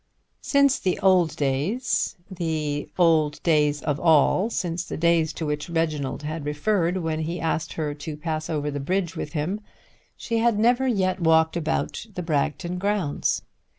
Since the old days, the old days of all, since the days to which Reginald had referred when he asked her to pass over the bridge with him, she had never yet walked about the Bragton grounds.